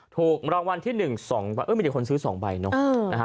ถูกรางวัลที่หนึ่ง๒ใบไม่ได้คนซื้อ๒ใบเนอะ